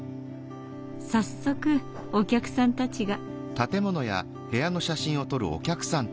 早速お客さんたちが。